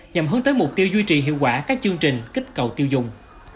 nhằm hướng tới mục tiêu duy trì hiệu quả các chương trình kích cầu tiêu dùng